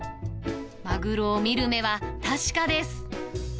マグロを見る目は確かです。